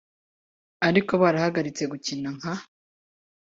ariko barahagaritse gukina nka